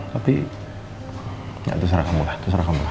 tapi ya terserah kamu lah terserah kamu lah